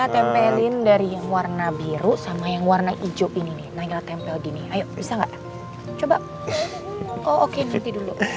terus main seperti ini